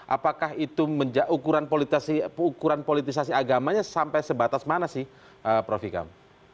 apakah itu ukuran politisasi agamanya sampai sebatas mana sih prof ikam